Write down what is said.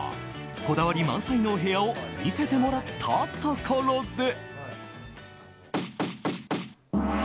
こだわり満載のお部屋を見せてもらったところで。